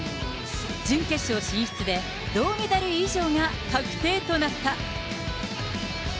準決勝進出で、銅メダル以上が確定となった。